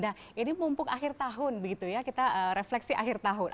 nah ini mumpuk akhir tahun begitu ya kita refleksi akhir tahun